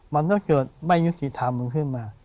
มันต้องเกิดไม่ยุติธรรมขึ้นมา